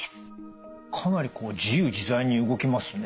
かなりこう自由自在に動きますね。